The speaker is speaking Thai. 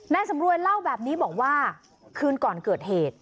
สำรวยเล่าแบบนี้บอกว่าคืนก่อนเกิดเหตุ